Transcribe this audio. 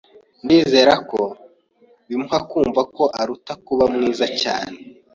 Ndizera ko bimuha kumva ko aruta kuba mwiza cyane